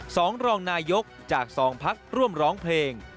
รองนายกจากสองพักร่วมร้องเพลง